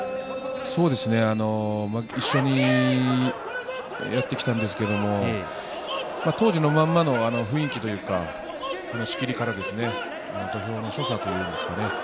一緒にやってきたんですけども当時のままの雰囲気というか仕切りから土俵の所作というんですかね